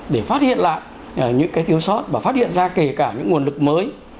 để phát hiện lại những thiếu sót và phát hiện ra kể cả những nguồn lực mới